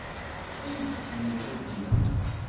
Fkan-as-d yiwen n udinaṛ.